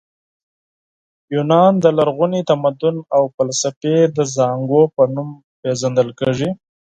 یونان د لرغوني تمدن او فلسفې د زانګو په نوم پېژندل کیږي.